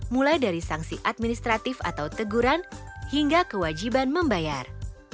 mulai dari sanksi administratif atau teguran hingga kewajiban membayar